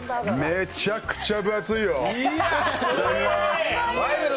めちゃくちゃ分厚いよ。